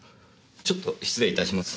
ちょっと失礼いたします。